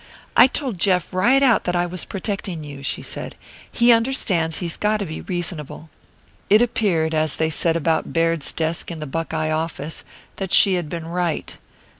"I told Jeff right out that I was protecting you," she said. "He understands he's got to be reasonable." It appeared, as they set about Baird's desk in the Buckeye office, that she had been right.